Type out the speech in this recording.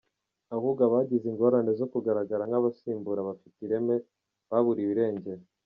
Ahubwo abagize ingorane zo kugaragara nk’abasimbura bafite ireme, baburiwe irengero !